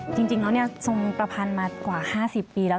จริงแล้วทรงประพันธ์มากว่า๕๐ปีแล้ว